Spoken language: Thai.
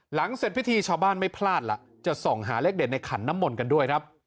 เสร็จพิธีชาวบ้านไม่พลาดล่ะจะส่องหาเลขเด็ดในขันน้ำมนต์กันด้วยครับ